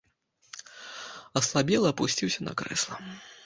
Аслабелы апусціўся на крэсла.